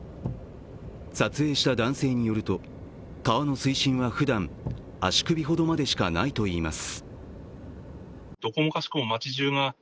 撮影した男性によると、川の水深はふだん足首ほどまでしかないといいます。